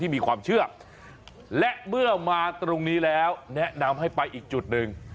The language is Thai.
มีความเชื่อและเมื่อมาตรงนี้แล้วแนะนำให้ไปอีกจุดหนึ่ง